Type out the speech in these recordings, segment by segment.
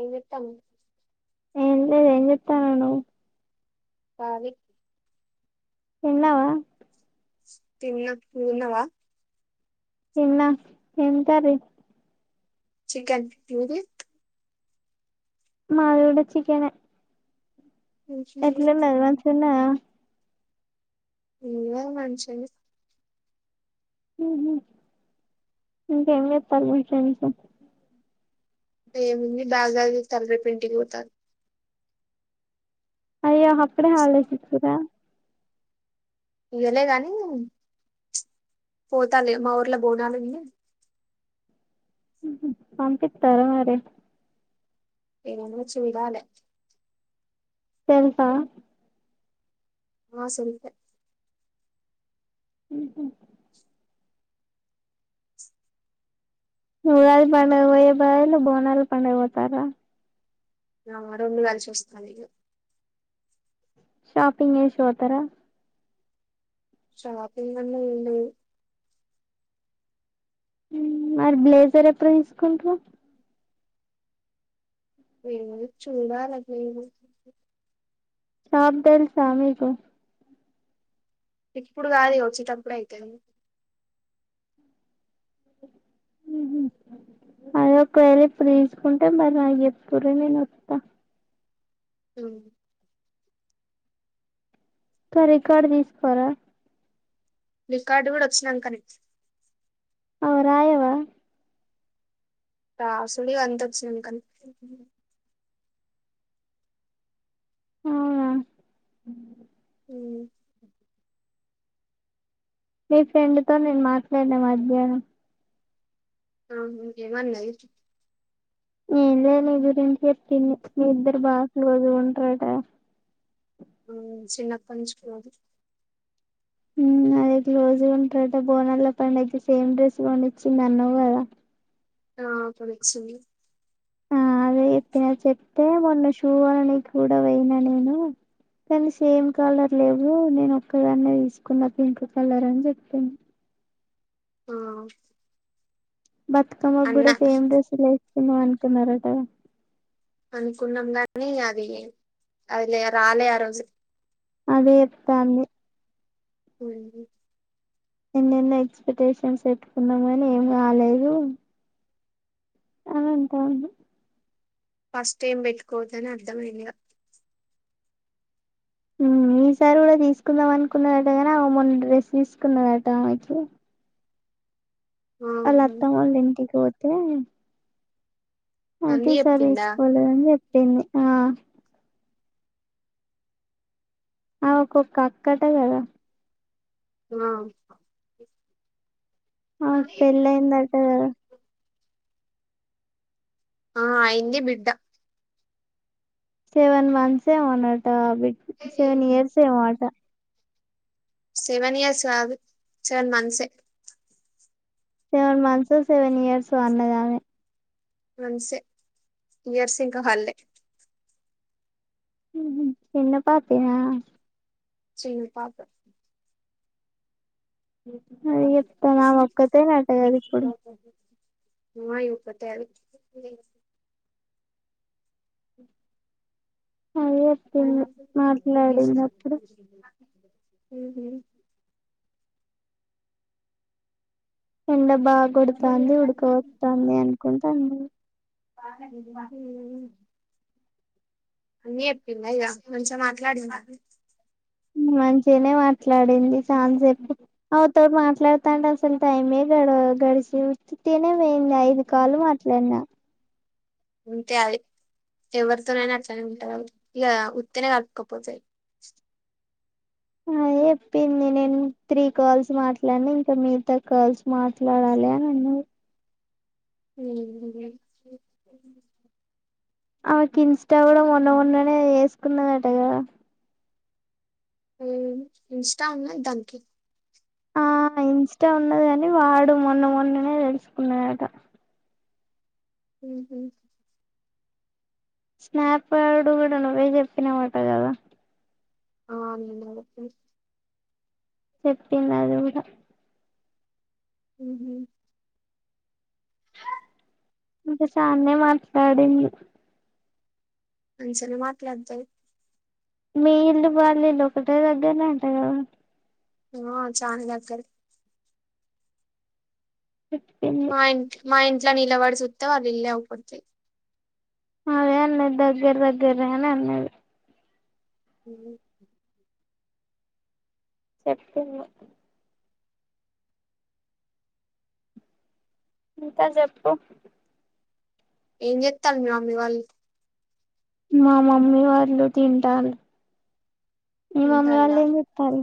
ఏం చేత్తాల్లు ఎంట వెేనెత్తనన నువ్వు కాలి తిన్నావా తిన్న నువ్వు తిన్నావా తిన్న ఏమ కర్రీ చికెన్ మీది మాది చికన్ [unintelligible] ఇ మనుషని ఉహు పని చేశా బ్యాగగ తే పెంంటిింగ్ ఉత అయ్యో అప్పుడే హాలిడేస్ ఈచార ఇవలే గాని పోతాలి మా ఊర్లో బోనాలు ఇ పంపితే లే మర్రి ఎమ్మో చోడలా తెల్సా ఆసలుతే ఉహు ఉగాది పండుగక్ పోయే బదులు బోనాల పండుగక్ పోతర్రా అ రోండు కలిషస్తాన్నయి ఇగ షాపింగ్ చేసి పొతర షాపింగ్ అన్నాదేంలేద్ ఉ మరి బ్లేజర్ ఎప్పుడు తీసుకుంట్రు వీల్న్ చూడాలే గ్రిన్ షాప్ తేల్సా మీకు ఇప్పుడు గాదు ఇగ వచ్చేటప్పుడు అయితది ఉహు అదే ఒకవేళ ఇప్పుడు తీసుకుంటే మరి నాక్ చేప్పుర్రి నేనొత్తా ఉ క రికార్డ్ తీసుకోరా రికార్డు కూడా వచ్చినంకనే అగో రాయవా రాసుడు ఇదంత వచ్చినంకనే అవునా మీ ఫ్రెండ్ తో నేన్ మాట్లాడినా మధ్యాహ్నం ఆహు ఏమన్నది ఏం లేద్ నీ గురించి చెప్పింది మీ ఇద్దరు బాగా క్లోజ్గా ఉంటారట ఉ చిన్నప్పట్ నుంచి క్లోజ్ ఉం అదే క్లోజ్ గాఉంటారట బోనాల పండుగకి సేమ్ డ్రెస్ కోనిచ్చింది అన్నవు కదా ఆ కోనిచ్చింది ఆ అదే చెప్పినా చెప్తే మొన్న షూ కోననికి కూడా పోయినా నేను కానీ సేమ్ కలర్ లేవు నేను ఒక్కదన్నే తీసుకున్న పింక్ కలర్ అని చెప్పింది ఆ బతుకమ్మకు అన్న కూడా సేమ్ డ్రెస్సు లేసుకుందం అనుకున్నారటగా అనుకున్నాం గానీ అది అది లే రాలే ఆ రోజు అదేచేప్తాంది ఉహు ఎన్నెన్నో ఎక్స్పెక్టేషన్స్ పెట్టుకున్నాం కాని ఏం కాలేదు అవుంతావును ఫస్ట్ టైం పెట్టుకోద్దని అర్థమైందిగా ఉమ్ ఈసారి కూడా తీసుకుందాం అనుకున్నదటగాని ఆమె మొన్న డ్రెస్ తీసుకున్నాదట ఆమెకి అల్ ఆహా అత్తమ్మోలింటికి పోతే అయితే అన్ని ఇసారి చెప్పిందా తీసుకోలేదని చెప్పింది ఆ ఆమెక్కొక్క అక్కాట గదా ఆ ఆమెక్ పెళ్ళయిందట గాద ఆ అయింది బిడ్డ సెవెన్ మంత్స్ ఏమోనట బిడ్ సెవెన్ ఇయర్స్ ఏమట సెవెన్ ఇయర్స్ గాదు సెవెన్ మంత్సే సెవెన్ మంత్సో సెవెన్ ఇయర్సో అన్నదామే మంత్సే ఇయర్సింక వల్లే చిన్న పాపెనా చిన్ పాపే ఇప్ప నా ఒక్కతే నట్టగదు ఇప్పుడు మా ఇ పతవి ఏప్పంది మాట్లాడింది అప్పుడు అ ఎండ బాగా కొడుతుంది ఉడక ఉహు వతుంది అనుకుంటాను ప అన్నీ చెప్పింది ఇక కొంచెం మాట్లాడివారు మంచిగానే మాట్లాడింది ఛాన్స్ ఎప్పుడు అ తోడు మాట్లాడుతాంటే అసలు టైమే గ గడిచస్త తనే పోయింది ఐదు కాలు మా న్న ఉంతే అది ఎవరితోనైనా అట్నే ఉంటారా ఇక వత్తేనే కలకపోతాయి ఆ చెప్పింది నేను త్రీ కాల్స్ మాట్లాడిన ఇంకా మీిగతా కాల్స్ మాట్లాడాలి అని అ హ ఆమెకి ఇన్స్టా కూడా మొన్న మొన్ననే వేసుకున్నందటగా ఇన్స్టా ఉన్నా దానికి ఆ ఇస్ ఉన్నది కాని వాడు మొన్న మొన్ననే తెలుసుకున్నాడట హ స్నాప్ వాడుడుగూడా నువ్వే చెప్పినవటా గాదా. ఆ నే [unintelligible] చెప్పింది అది కూడా ఉ ఇంకా చాన్ననే మాట్లాడింది ముంచించనే మాట్లాడతాయి మీ ఇల్లు బళలు ఒకట దగ్గరనంట ఆ చాతరి చెప్పింది మా ఇంట్ మా ఇంట్లో నిలవాడి చూస్తా వాళ్ళు ఇల్ళ అవ పడతుయి అదే అన్న దగ్గర దగ్గర రాని అన్నది అ చెప్ప ఇంత చెప్పు ఏం చెతారు మీ మమ్మీ వాళ్ళు మా మమ్మీ వాళ్ళ తింటారు ఇవ అమ్ అల్ం ఇతారు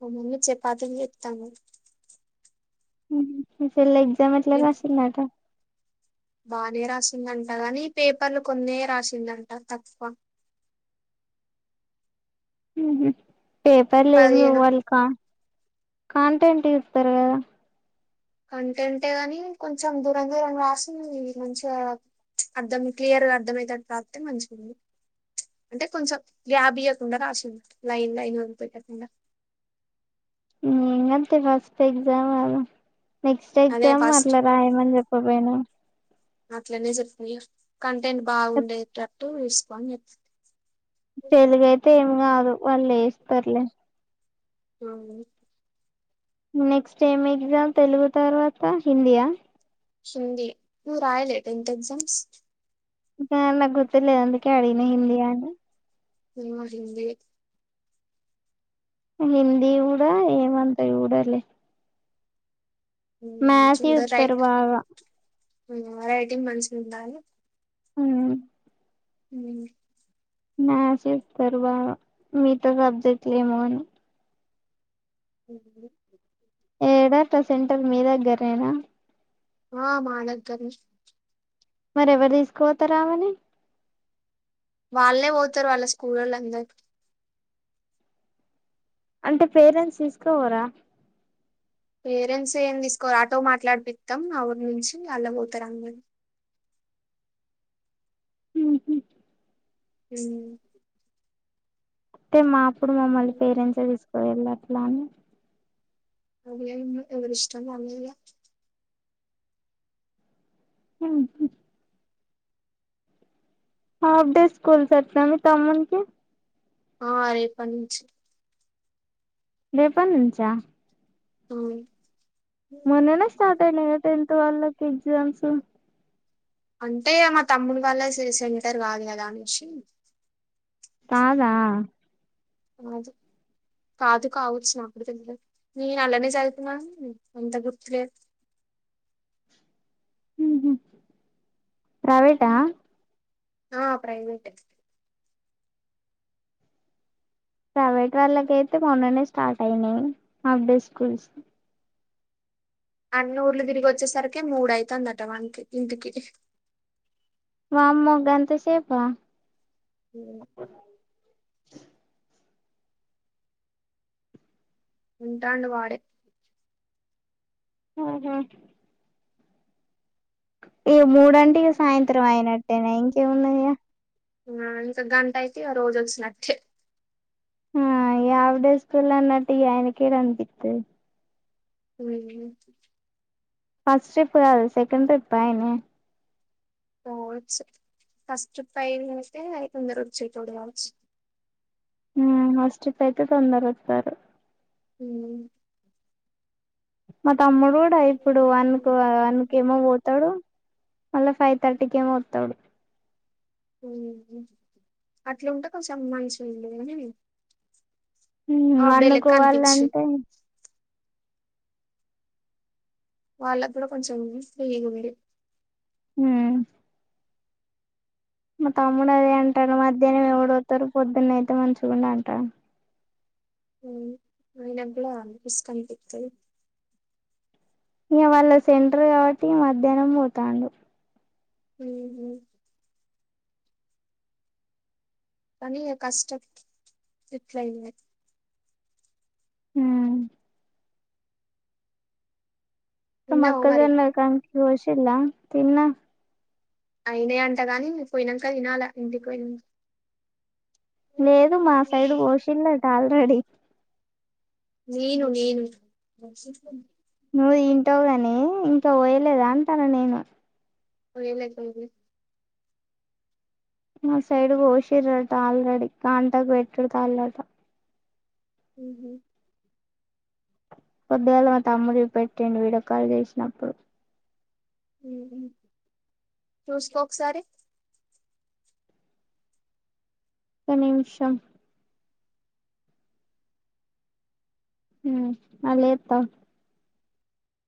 అవు మన్న చె పాతని చెప్తాము ఉమ్ మీ చెల్ల ఎగ్జామేట్లా రాసిందట బానే రాసిందంట గాని, పేపర్లు కొన్ని రాసిందంట. తక్కువ ఉహ్ హు పేపర్లు పదిహేను ఏమువల్క కాంటెంట్ ఇర్తారు గదా కంటెంటే గాని కొంచెం దూరం దూరం రాసింది. మంచిగా అర్థం క్లియర్గా అర్థం అయితట్ రాతే మంచిగుండు. ప్చ్ అంటే కొంచెం గ్యాబ్ ఇయ్యాకుండా రాసింది. లైన్ లైన్ వదిల్పెట్టకుండా. ఉమ్ అంతే ఫస్ట్ ఎక్జామ్అవ్ నెక్స్ట్ అదే ఎగ్జామ్ ఫస్ట్ అట్లా రాయమని చెప్పపోయినవ్ అట్లనే చెప్పా ఇగా కంటెంట్ బాగుండేటట్టు వుసుకో అని చెప్ తెలుగైతే ఏం గాదు వాల్లేస్తారులే ఏమో మరి నెక్స్ట్ ఏం ఎగ్జామ్ తెలుగు తర్వాత హిందీయా హిందీ నువ్ రాయలే టెన్త్ ఎక్జామ్స్ కాద్ నాక్ గుర్తు లేదు. అందుకే అడిగిన హిందీ యా అని ఫేమస్ హిందీ హిందీ ఊడ ఏమంత జూడార్లే ఉమ్, మ్యస్ వుత్తరు బాగా ఇమా రైటింగ్ మంచిగుండాలి ఉమ్ హ్మ్ మ్యసేత్తరు బాగా మీత సబ్జెక్ట్ల్ ఏమో గాని ఉహ్ ఉహ్ హు ఏడాట సెంటర్ మీ దగ్గరేనా? ఆ మాదగ్గర్నే మరెవర్ తీసుకపోతారమేని వాళ్ళే పోతారు వాళ్ళ స్కూల్లోళ్ళ అందర్ అంటే పేరెంట్స్ తీసుకపోరా? పేరెంట్స్ ఏం తీసుకోఓర్ ఆటో మాట్లాడిపిత్తం. ఆ ఊరు నుంచి ఇగ అల్ల పోతారు. అంగరూ ఉమ్ అంటే మా అప్పుడు మమ్మల్ని పేరెంట్సే తీసుకపోయ్ళ్ళ, అట్లా అని. అదేమో ఎవరి ఇష్టం. వాళ్లదిగా ఉహ్ హు హాఫ్ డేస్ స్కూల్స్ వచ్చా మీ తమ్మున్కి ఆ రేపనుంచి రేప నుంచా? అవున్ మొన్ననే స్టార్ట్ అయినాగా టెన్త్ వాళ్ళకి ఎగ్జామ్సు అంటే ఇగ మా తమ్ముడి వల్ల సె సెంటర్ గాదు గదా అనేసి. కాదా అదు కాదు కావచ్చు నాగూడ తెల్వద్. నేను అలానే చదువుకున్నాన్, అంత గుర్తులేదు. ఉహ్ హు ప్రవేటా ఆ ప్రైవేటే ప్రైవేట్ వాళ్ళకయితే మొన్ననే స్టార్ట్ అయినాయి. హాఫ్ డే స్కూల్స్ అన్నుర్లు తిరిగి వచ్చేసరికి మూడయితందట. వానీకి, ఇంటికి మామ్మొగగ అంత సేపా ఉంటాడు వాడే ఆహా ఈ మూడంటికి సాయంత్రం అయినట్టేనా ఇంకేమున్నాయ్యా ఆ ఇంకా గంట అయితే ఆ రోజు వచ్చినట్టే ఆ ఆవిడే స్కూల్ అన్నట్టు ఆయనకే అనిపిస్తు ఉ ఫస్ట్ ట్రిప్ కాదు సెకండ్ ట్రిప్ అయనే ఓ కష్టట్ పతే అ తందర రచ్చ తడిచ్చు హ అస్త్ అయితే తొందర ఇస్తారు హ మా తమ్ముడు కూడా ఇప్పుడు వాన్నకు వాన్నకి ఏమో పోతాడు మళ్ళ ఫైవ్ తర్టీకిర్తౌడు అట్లా ఉంటే కస అమ్మాయిషలే ఉమ్ వన్ కు అప్పుడేలక్క అంతిచ్చ పోవాలంటే వాళ్ళ కూడా కొంచెం స్ చేయడి హ మా తమ్ముడు అదే అంటాారు మధ్యాహ్నం ఎవడవుతారు పొద్దున్న అయితే మ చూ అంటను ఆయన కూడాస్ కనిపితుంది ఇక వాళ్ళ సెంటరు కాబట్టి ఇ మధ్యాహ్నం పోతాండు హ తని కష్ట ఇట్ల హ తిన్నావా మరి మక్కగన్న కాషిలా తిన్న అయినా అంట గాని నువ్వు పోయినాక తినాలా ఇంటికి పోయినా లేదు మా సైడ్ పోషిల్లదు ఆల్రెడీ నేను నేను నువ్వు ఇంటవ కాని ఇంకా వయలేదా అంటాను నేను ఓ ఏలాంది మా సైడ్ ఓషరట ఆల్రెడీ గంటకు పెట్డుతల్లట ఉ కొద్దిగాళ మా తమ్ముడి పెట్టండి విడకలు చేసినప్పుడు చూసుకోకసారి ఒక నిమిషం హ అలా ఎత్తా